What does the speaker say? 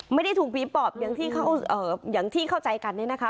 ไม่ได้ถูกภีร์ปอบอย่างที่เข้าอย่างที่เข้าใจกันนี้นะคะ